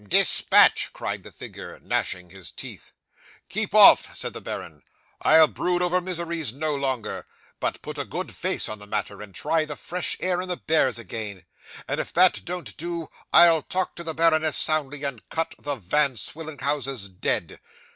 '"Dispatch," cried the figure, gnashing his teeth. '"Keep off!" said the baron. 'I'll brood over miseries no longer, but put a good face on the matter, and try the fresh air and the bears again; and if that don't do, I'll talk to the baroness soundly, and cut the Von Swillenhausens dead.